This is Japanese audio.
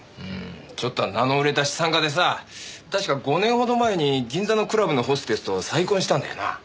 ちょっとは名の売れた資産家でさたしか５年ほど前に銀座のクラブのホステスと再婚したんだよな。